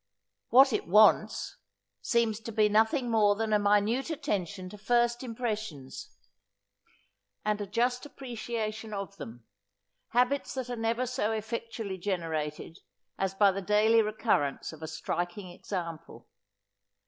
What it wants, seems to be nothing more than a minute attention to first impressions, and a just appreciation of them; habits that are never so effectually generated, as by the daily recurrence of a striking example.